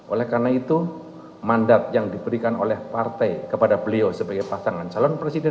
oleh karena itu mandat yang diberikan oleh partai kepada beliau sebagai pasangan calon presiden